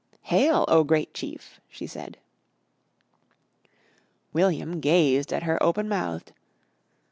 "Hail, O great chief!" she said. William gazed at her open mouthed.